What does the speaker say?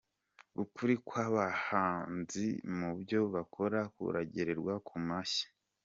Ukuri kw’abahanzi mu byo bakora kuragerwa ku mashyi.